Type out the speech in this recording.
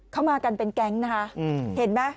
เขามากันเป็นแก๊งนะคะเห็นไหม